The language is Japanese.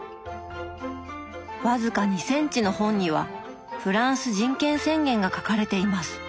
僅か２センチの本には「フランス人権宣言」が書かれています。